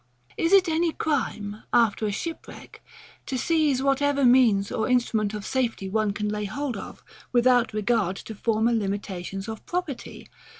Is it any crime, after a shipwreck, to seize whatever means or instrument of safety one can lay hold of, without regard to former limitations of property?